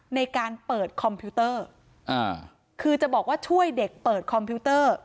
ในการเปิดคอมพิวเตอร์อ่าคือจะบอกว่าช่วยเด็กเปิดคอมพิวเตอร์